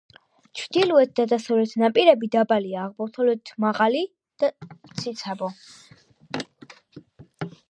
ჩრდილოეთ და დასავლეთ ნაპირები დაბალია, აღმოსავლეთი მაღალი და ციცაბო.